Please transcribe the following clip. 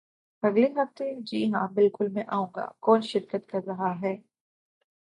اگلے ہفتے؟ جی ہاں، بالکل میں آئوں گا. کون شرکت کر رہا ہے؟